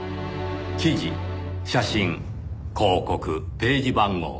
記事写真広告ページ番号。